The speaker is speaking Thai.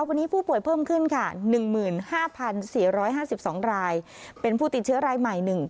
วันนี้ผู้ป่วยเพิ่มขึ้นค่ะ๑๕๔๕๒รายเป็นผู้ติดเชื้อรายใหม่๑